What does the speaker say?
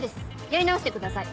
やり直してください。